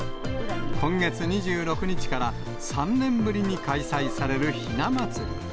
今月２６日から３年ぶりに開催されるひなまつり。